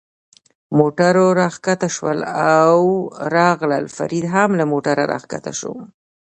موټرو را کښته شول او راغلل، فرید هم له موټره را کښته شو.